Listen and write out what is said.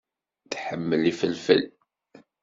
Tḥemmel ifelfel.